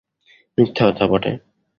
মিথ্যা কথা বটে!